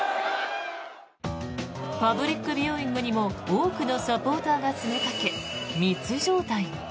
パブリックビューイングにも多くのサポーターが詰めかけ密状態に。